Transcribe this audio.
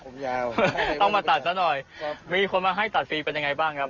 ผมยาวต้องมาตัดซะหน่อยครับมีคนมาให้ตัดฟรีเป็นยังไงบ้างครับ